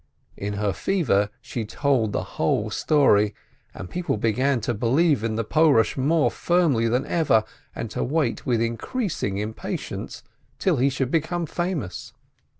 In her fever she told the whole story, and people began to believe in the Porush more firmly than ever and to wait with inCTPMJTig impatience till he should become famous.